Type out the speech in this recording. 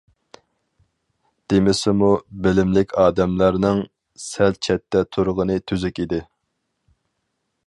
دېمىسىمۇ، بىلىملىك ئادەملەرنىڭ سەل چەتتە تۇرغىنى تۈزۈك ئىدى.